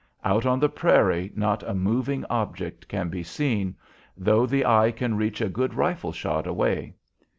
Out on the prairie not a moving object can be seen, though the eye can reach a good rifle shot away.